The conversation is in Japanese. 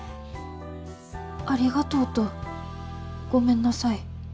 「ありがとう」と「ごめんなさい」。